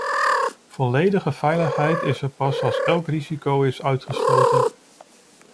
Volledige veiligheid is er pas als elk risico is uitgesloten.